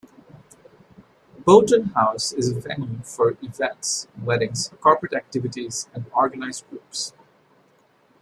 Boughton House is a venue for events, weddings, corporate activities and organised groups.